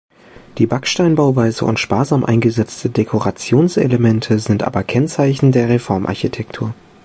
Die Backsteinbauweise und sparsam eingesetzte Dekorationselemente sind aber Kennzeichen der Reformarchitektur.